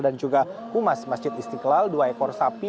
dan juga humas masjid isikla dua ekor sapi